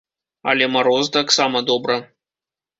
Але мароз таксама добра.